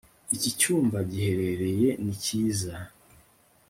Iki cyumba giherereye ni cyiza